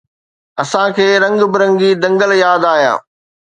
اسان کي رنگ برنگي دنگل ياد آيا